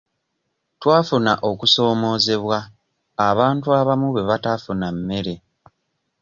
Twafuna okusoomoozebwa abantu abamu bwe bataafuna mmere.